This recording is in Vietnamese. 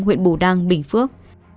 huyện bù đăng bình phước